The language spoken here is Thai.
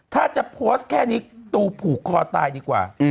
ถ้าจะโพสต์แค่นี้ตูผูกคอตายดีกว่า